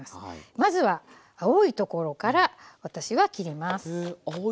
まずは青いところから私は切ります。